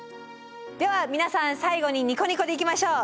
では皆さん最後にニコニコでいきましょう。